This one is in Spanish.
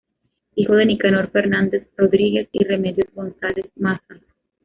Hijo de Nicanor Fernández Rodríguez y Remedios González Mazas.